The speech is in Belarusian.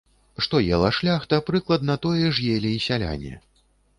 Што ела шляхта, прыкладна тое ж елі і сяляне.